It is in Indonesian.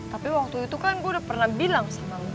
tapi waktu itu kan gue udah pernah bilang sama